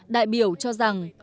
đại biểu cho rằng